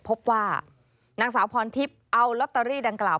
พบว่านางสาวพรทิพย์เอาลอตเตอรี่ดังกล่าว